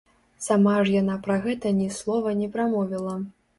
Сама ж яна пра гэта ні слова не прамовіла.